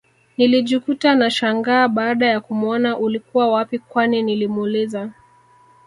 Nilijikuta nashangaa baada ya kumuona ulikuwa wapii kwanii nilimuuliza